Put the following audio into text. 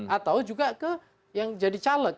atau juga ke yang jadi caleg